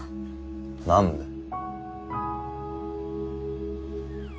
何だよ？